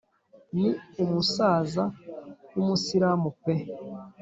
ni umusaza w’umusirimu pe!